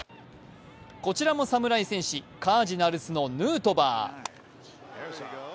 こちらも侍戦士、カージナルスのヌートバー。